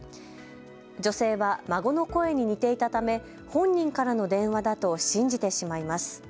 女性は孫の声に似ていたため本人からの電話だと信じてしまいます。